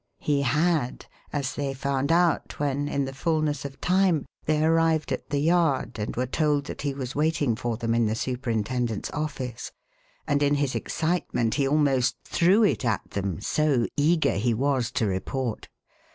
He had, as they found out when, in the fulness of time, they arrived at the Yard and were told that he was waiting for them in the superintendent's office, and in his excitement he almost threw it at them, so eager he was to report.